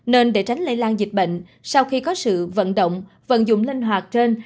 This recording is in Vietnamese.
nên để tránh lây lan dịch bệnh sau khi có sự vận động vận dụng linh hoạt trên